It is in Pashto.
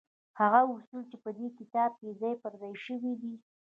هغه اصول چې په دې کتاب کې ځای پر ځای شوي دي.